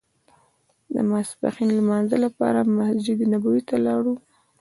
د ماسپښین لمانځه لپاره مسجد نبوي ته لاړو.